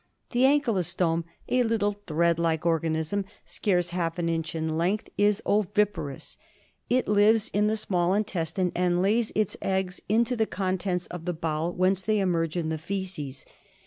The ankylostome, a little thread like organism scarce half an inch in length, is oviparous. It lives in the small intestine and lays its eggs into the contents of the bowel, whence they emerge in the faeces.